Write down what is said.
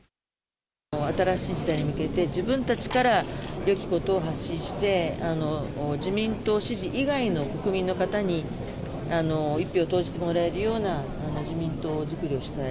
新しい時代に向けて、自分たちからよきことを発信して、自民党支持以外の国民の方に、１票を投じてもらえるような自民党作りをしたい。